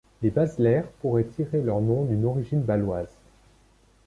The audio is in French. Les Bazelaire pourraient tirer leur nom d'une origine bâloise.